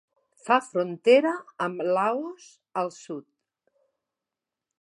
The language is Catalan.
Fa frontera amb Laos al sud.